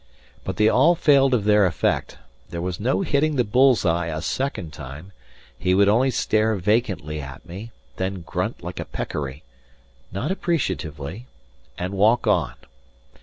But they all failed of their effect there was no hitting the bull's eye a second time; he would only stare vacantly at me, then grunt like a peccary not appreciatively and walk on.